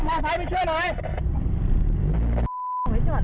ถ้าถ้ายังไหวช่วยหน่อย